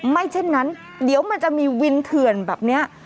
ไม่เช่นนั้นเดี๋ยวมันจะมีวินเถื่อนแบบนี้